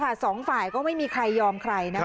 ข้ามฝ่ายก็ไม่มีใครยอมใคร